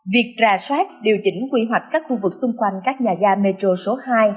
việc ra soát điều chỉnh quy hoạch các khu vực xung quanh các nhà ga metro số hai